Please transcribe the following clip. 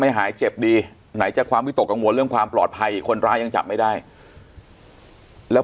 หายเจ็บดีไหนจากความวิตกกังวลเรื่องความปลอดภัยคนร้ายยังจับไม่ได้แล้ว